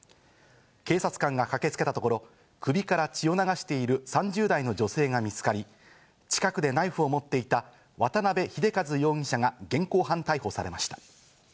警察官が駆けつけたところ、首から血を流している３０代の女性が見つかり、近くでナイフを持っていった渡辺秀一容疑者が現行犯逮捕されました。